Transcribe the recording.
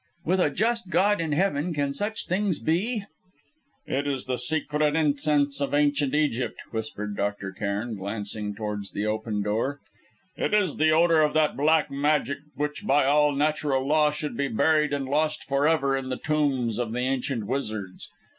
"With a just God in heaven, can such things be?" "It is the secret incense of Ancient Egypt," whispered Dr. Cairn, glancing towards the open door; "it is the odour of that Black Magic which, by all natural law, should be buried and lost for ever in the tombs of the ancient wizards.